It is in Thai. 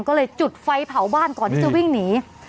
ก็เลยจุดไฟเผาบ้านก่อนที่จะวิ่งหนี